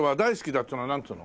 っつうのはなんつうの？